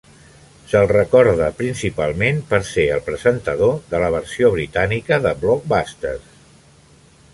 Se'l recorda principalment per ser el presentador de la versió britànica de "Blockbusters".